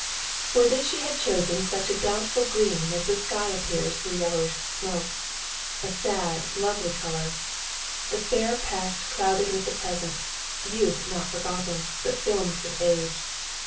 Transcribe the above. For this she had chosen such a doubtful green as the sky appears through yellowish smoke a sad, lovely color the fair past clouded with the present youth not forgotten, but filmed with age.